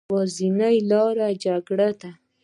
يوازينۍ لاره جګړه ده